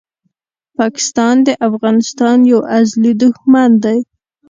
پاکستان د افغانستان یو ازلي دښمن دی!